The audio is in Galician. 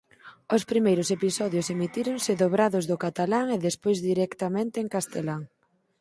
Os primeiros episodios emitíronse dobrados do catalán e despois directamente en castelán.